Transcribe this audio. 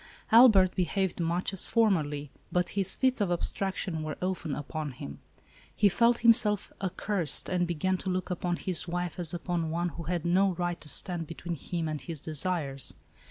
Albert behaved much as formerly, but his fits of abstraction were often upon him. He felt him self accursed, and began to look upon his wife as upon one who had no right to stand between him and his desires.